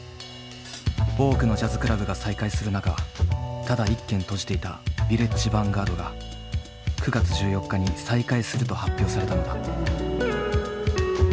多くのジャズクラブが再開する中ただ一軒閉じていたヴィレッジ・ヴァンガードが９月１４日に再開すると発表されたのだ。